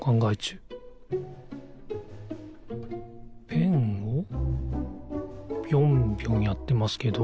ペンをぴょんぴょんやってますけど。